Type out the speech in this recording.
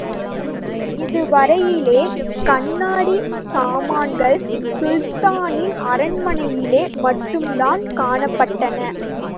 இதுவரையிலே, கண்ணாடிச் சாமான்கள் சுல்தானின் அரண்மனையிலே மட்டும்தான் காணப்பட்டன.